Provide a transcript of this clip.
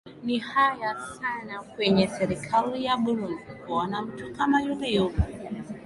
ni haya sana kwenye serikali ya burundi kuona mtu kama yule yuko